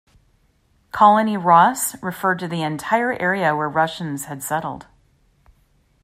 Colony Ross referred to the entire area where Russians had settled.